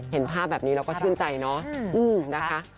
เห็นภาพแบบนี้เราก็ชื่นใจเนาะนะคะ